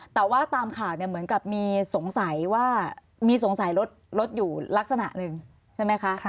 แต่ว่าตามข่าวเนี่ยเหมือนกับมีสงสัยว่ามีสงสัยรถอยู่ลักษณะหนึ่งใช่ไหมคะ